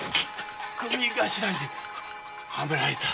組頭にはめられた！